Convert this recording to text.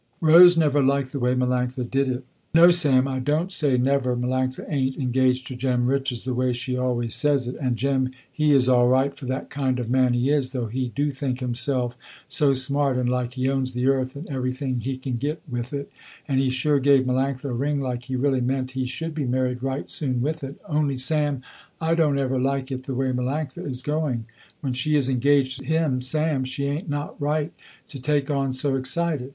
Rose never liked the way Melanctha did it. "No Sam I don't say never Melanctha ain't engaged to Jem Richards the way she always says it, and Jem he is all right for that kind of man he is, though he do think himself so smart and like he owns the earth and everything he can get with it, and he sure gave Melanctha a ring like he really meant he should be married right soon with it, only Sam, I don't ever like it the way Melanctha is going. When she is engaged to him Sam, she ain't not right to take on so excited.